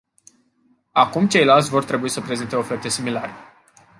Acum ceilalți vor trebui să prezinte oferte similare.